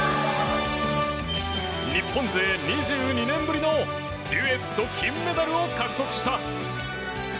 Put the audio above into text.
日本勢、２２年ぶりのデュエット金メダルを獲得した。